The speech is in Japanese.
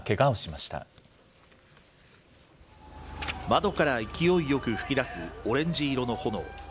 窓から勢いよく噴き出すオレンジ色の炎。